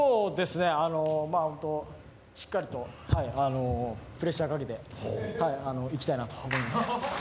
まあ、しっかりとプレッシャーかけていきたいなと思います。